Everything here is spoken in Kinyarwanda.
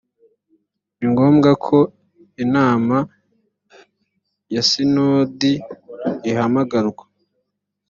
ni ngombwa ko inama ya sinodi ihamagarwa